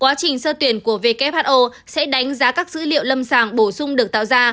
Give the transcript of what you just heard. quá trình sơ tuyển của who sẽ đánh giá các dữ liệu lâm sàng bổ sung được tạo ra